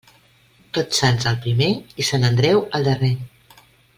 Tots Sants el primer i Sant Andreu el darrer.